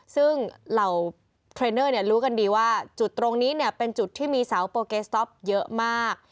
ซึ่งเหล่าเทรนเนอร์รู้กันดีว่าจุดตรงนี้เนี่ยเป็นจุดที่มีเสาโปเกสต๊อปเยอะมาก